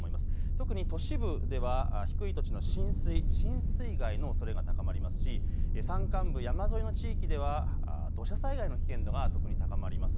特に都市部では低い土地の浸水、浸水害のおそれが高まりますし山間部、山沿いの地域では土砂災害の危険度が特に高まります。